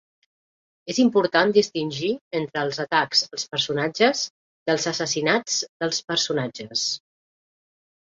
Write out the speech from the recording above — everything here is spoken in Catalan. És important distingir entre els atacs als personatges i els assassinats dels personatges.